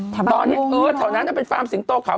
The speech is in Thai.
ตอนนี้เออแถวนั้นเป็นฟาร์มสิงโตขาว